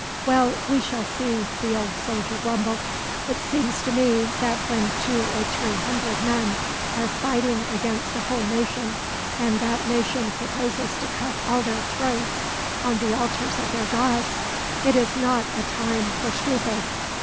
"Well, we shall see," the old soldier grumbled. "It seems to me that when two or three hundred men are fighting against a whole nation, and that nation proposes to cut all their throats on the altars of their gods, it is not a time for scruples.